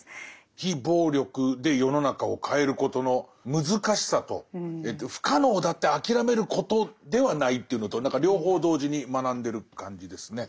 非暴力で世の中を変えることの難しさと不可能だって諦めることではないっていうのと何か両方同時に学んでる感じですね。